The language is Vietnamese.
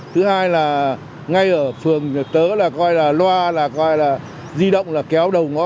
thứ hai là ngay ở phường tớ là coi là loa là coi là di động là kéo đầu ngó